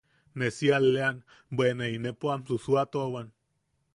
Ne si alleʼean bwe ne inepo am susuuatuawan.